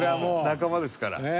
仲間ですから。